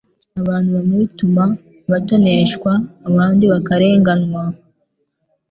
abantu bamwe bituma batoneshwa abandi bakarenganywa.